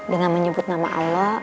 dengan menyebut nama allah